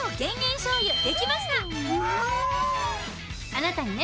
あなたにね